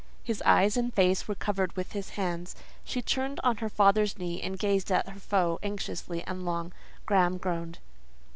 His eyes and face were covered with his hands. She turned on her father's knee, and gazed at her foe anxiously and long. Graham groaned.